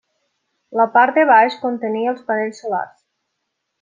La part de baix contenia els panells solars.